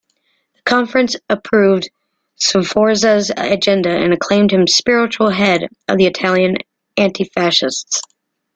The conference approved Sforza's agenda and acclaimed him spiritual head of the Italian antifascists.